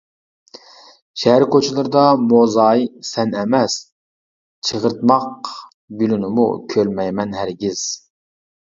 شەھەر كوچىلىرىدا موزاي سەن ئەمەس، چىغىرتماق گۈلىنىمۇ كۆرمەيمەن ھەرگىز.